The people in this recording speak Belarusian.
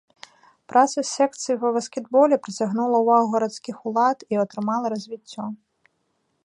Праца секцый па баскетболе прыцягнула ўвагу гарадскіх улад і атрымала развіццё.